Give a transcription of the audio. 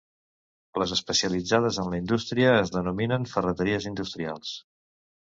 Les especialitzades en la indústria, es denominen ferreteries industrials.